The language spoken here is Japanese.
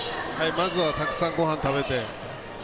まずはたくさんごはん食べて。